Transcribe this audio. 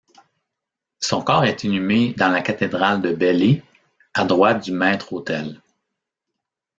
Son corps est inhumé dans la cathédrale de Belley, à droite du maître-autel.